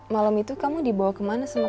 malam itu kamu dibawa kemana sama pak broto